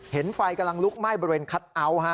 ไฟกำลังลุกไหม้บริเวณคัทเอาท์